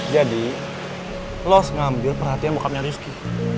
jadi lo harus ngambil perhatian bokapnya rifqi